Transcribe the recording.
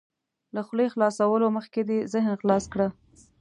له خولې خلاصولو مخکې دې ذهن خلاص کړه.